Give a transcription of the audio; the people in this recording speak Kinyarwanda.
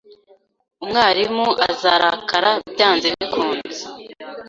Umwarimu azarakara byanze bikunze.